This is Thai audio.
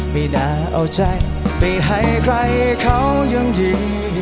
ไม่น่าเอาใจไปให้ใครเขายังดี